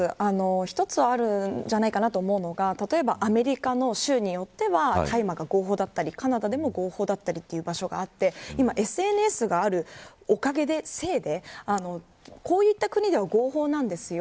一つあるんじゃないかなと思うのが例えば、アメリカの州によっては大麻が合法だったりカナダでも合法な場所があって今、ＳＮＳがあるおかげでこういった国では合法なんですよ。